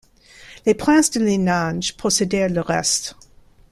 Les princes de Linange possédèrent le reste.